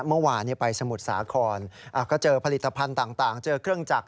เมื่อวานไปสมุทรสาครก็เจอผลิตภัณฑ์ต่างเจอเครื่องจักร